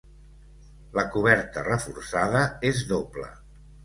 La coberta, reforçada, és doble.